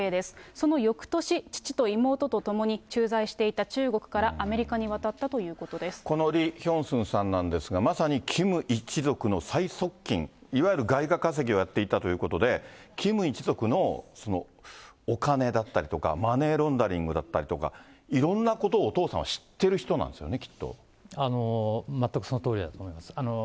そのよくとし、父と妹と共に、駐在していた中国から、アメリカに渡ったというここのリ・ヒョンスンさんなんですが、まさにキム一族の最側近、いわゆる外貨稼ぎをやっていたということで、キム一族のお金だったりとか、マネーロンダリングとかいろんなことをお父さんは知っている人な全くそのとおりだと思います。